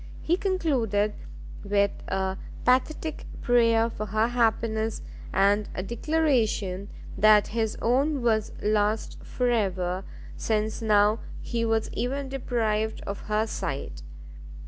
He concluded with a pathetic prayer for her happiness, and a declaration that his own was lost for ever, since now he was even deprived of her sight.